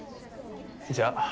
じゃあ